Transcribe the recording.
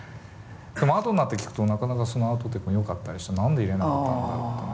でもあとになって聴くとなかなかそのアウトテークもよかったりして何で入れなかったんだろうってね